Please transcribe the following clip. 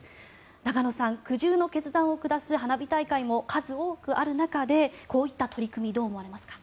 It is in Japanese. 中野さん苦渋の決断を下す花火大会も数多くある中でこういった取り組みどう思われますか？